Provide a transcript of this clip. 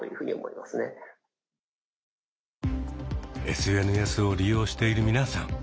ＳＮＳを利用している皆さん